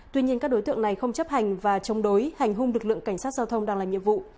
tuy nhiên các đối tượng này không chấp hành và chống đối hành hung lực lượng cảnh sát giao thông đang làm nhiệm vụ